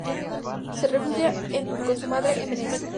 Se refugia con su madre en Venecia.